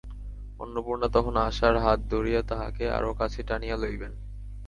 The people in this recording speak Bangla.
অন্নপূর্ণা তখন আশার হাত ধরিয়া তাহাকে আরো কাছে টানিয়া লইবেন।